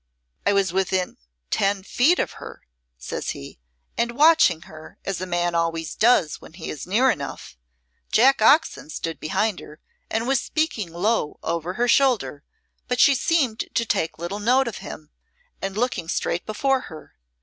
"I was within ten feet of her," says he, "and watching her as a man always does when he is near enough. Jack Oxon stood behind her, and was speaking low over her shoulder, but she seeming to take little note of him and looking straight before her.